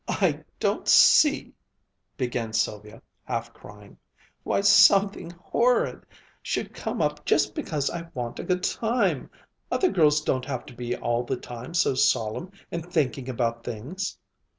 "I don't see," began Sylvia, half crying, "why something horrid should come up just because I want a good time other girls don't have to be all the time so solemn, and thinking about things!"